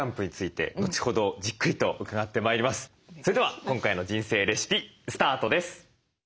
それでは今回の「人生レシピ」スタートです。